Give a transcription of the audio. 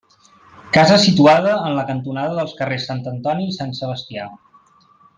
Casa situada en la cantonada dels carrers Sant Antoni i Sant Sebastià.